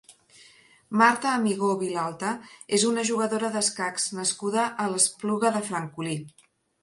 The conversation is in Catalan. Marta Amigó Vilalta és una jugadora d'escacs nascuda a l'Espluga de Francolí.